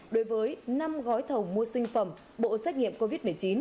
đối với năm gói thầu mua sinh phẩm bộ xét nghiệm covid một mươi chín